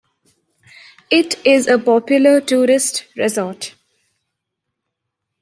It is a popular tourist resort.